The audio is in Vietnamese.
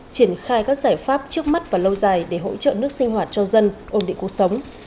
triển khai các giải pháp trước mắt và lâu dài để hỗ trợ nước sinh hoạt cho dân ổn định cuộc sống